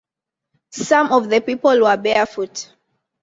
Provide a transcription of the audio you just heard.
Some of the people were barefoot.